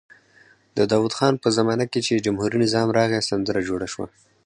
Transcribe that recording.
د داود خان په زمانه کې چې جمهوري نظام راغی سندره جوړه شوه.